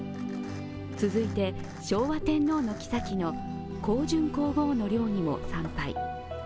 続いて昭和天皇のきさきの、香淳皇后の陵にも参拝。